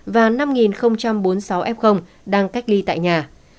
và năm bốn mươi sáu f đang cách ly tại nhà